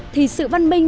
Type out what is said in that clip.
thì sự văn minh